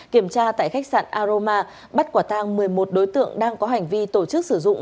kiểm tra tại khách sạn aroma bắt quả tang một mươi một đối tượng đang có hành vi tổ chức sử dụng